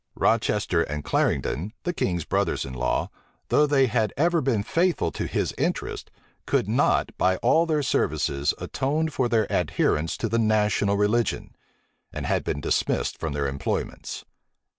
Rochester and Clarendon, the king's brothers in law, though they had ever been faithful to his interests, could not, by all their services, atone for their adherence to the national religion; and had been dismissed from their employments.